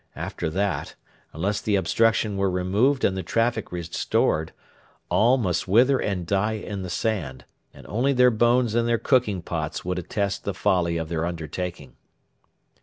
After that, unless the obstruction were removed and traffic restored, all must wither and die in the sand, and only their bones and their cooking pots would attest the folly of their undertaking.